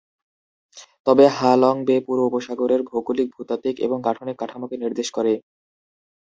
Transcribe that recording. তবে Ha Long Bay পুরো উপসাগরের ভৌগোলিক, ভূতাত্ত্বিক এবং গাঠনিক কাঠামোকে নির্দেশ করে।